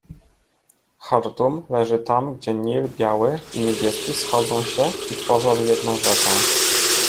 - Chartum leży tam, gdzie Nil Biały i Niebieski schodzą się i tworzą jedną rzekę.